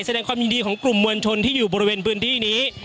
แสดงความยินดีของกลุ่มมวลชนที่อยู่บริเวณพื้นที่นี้